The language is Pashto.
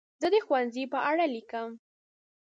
زه د ښوونځي په اړه لیکم.